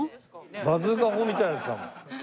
バズーカ砲みたいなやつだもん。